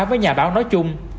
với nhà báo nói chung